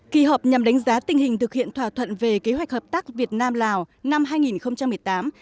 kỳ họp nhằm đánh giá tình hình thực hiện thỏa thuận về kế hoạch hợp tác việt nam lào năm hai nghìn một mươi tám